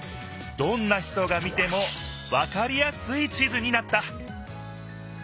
どんな人が見てもわかりやすい地図になった！